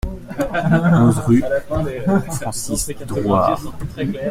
onze rue Francis Drouhard